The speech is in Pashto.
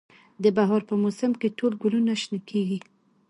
د بهار په موسم کې ټول ګلونه شنه کیږي